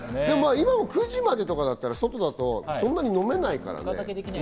今も９時までとかだったら外だとそんなに飲めないからね。